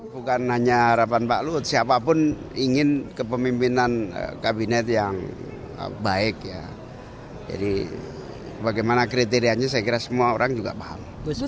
bukan hanya harapan pak luhut siapapun ingin kepemimpinan kabinet yang baik ya jadi bagaimana kriterianya saya kira semua orang juga paham